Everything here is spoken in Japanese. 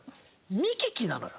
「見聞き」なのよ。